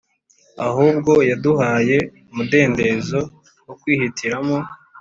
Ahubwo yaduhaye umudendezo wo kwihitiramo